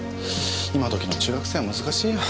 今どきの中学生は難しいや。